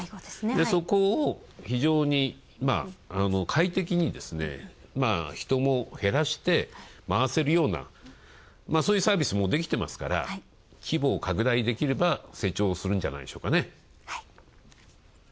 そこを、非常に快適にですね人も減らして、まわせるような、そういうサービスもできてますから、規模を拡大できれば成長するんじゃないでしょうかね。